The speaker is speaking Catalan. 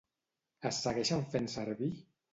Es segueixen fent servir?